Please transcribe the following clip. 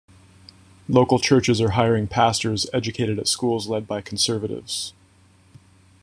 Local churches are hiring pastors educated at schools led by conservatives.